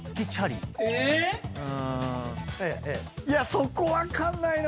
そこ分かんないな。